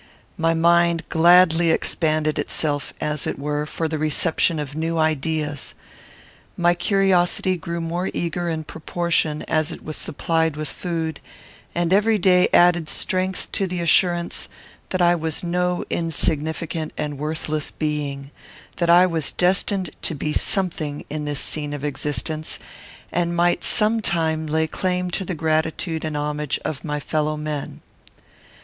My mind gladly expanded itself, as it were, for the reception of new ideas. My curiosity grew more eager in proportion as it was supplied with food, and every day added strength to the assurance that I was no insignificant and worthless being; that I was destined to be something in this scene of existence, and might some time lay claim to the gratitude and homage of my fellow men.